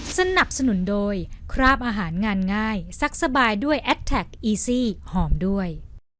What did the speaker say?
สนับสนุนโดยคราบอาหารงานง่ายซักสบายด้วยแอดแท็กอีซี่หอมด้วย